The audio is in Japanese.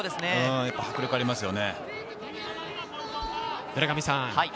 迫力ありますね。